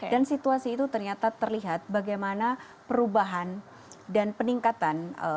dan situasi itu ternyata terlihat bagaimana perubahan dan peningkatan